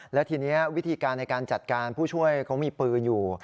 และทีนี้วิธีการในการจัดการผู้ช่วยเขามีปืนอยู่